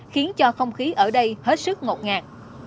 không khí ở đây hết sức ngột ngạt